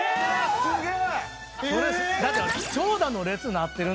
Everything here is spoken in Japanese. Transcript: すげえ！